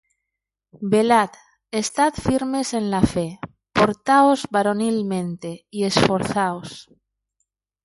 Velad, estad firmes en la fe; portaos varonilmente, y esforzaos.